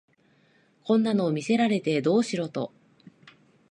こんなの見せられてどうしろと